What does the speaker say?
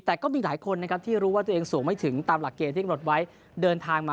แต่ก็มีหลายคนนะครับที่รู้ว่าตัวเองสูงไม่ถึงตามหลักเกณฑ์ที่กำหนดไว้เดินทางมา